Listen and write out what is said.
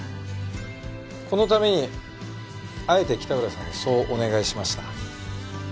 このためにあえて北浦さんにそうお願いしました。